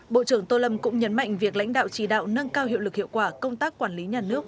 bộ trưởng tô lâm cũng nhấn mạnh việc lãnh đạo chỉ đạo nâng cao hiệu lực hiệu quả công tác quản lý nhà nước